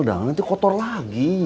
nanti kotor lagi